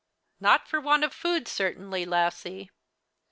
"Not for want of food, certainly, Lassie."